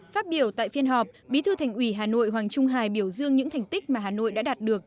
phát biểu tại phiên họp bí thư thành ủy hà nội hoàng trung hải biểu dương những thành tích mà hà nội đã đạt được